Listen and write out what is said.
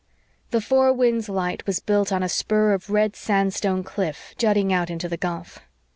The Four Winds light was built on a spur of red sand stone cliff jutting out into the gulf.